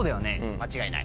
間違いない？